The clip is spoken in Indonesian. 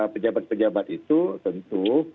pejabat pejabat itu tentu